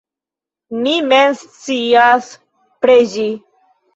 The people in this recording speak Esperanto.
mi mem scias preĝi.